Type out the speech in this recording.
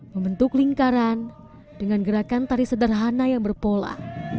membentuk lingkaran dengan gerakan tari sederhana yang berpola